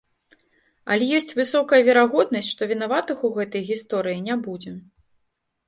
Але ёсць высокая верагоднасць, што вінаватых у гэтай гісторыі не будзе.